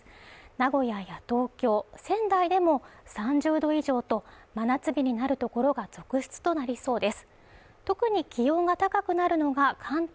名古屋や東京、仙台でも３０度以上と、真夏日になるところが続出となりそうです。